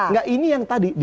enggak ini yang tadi